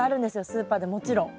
スーパーでもちろん。